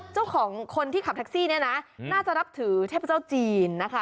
คนที่ขับแท็กซี่เนี่ยนะน่าจะนับถือเทพเจ้าจีนนะคะ